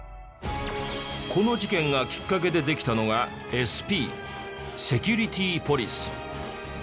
この事件がきっかけでできたのがＳＰセキュリティポリス。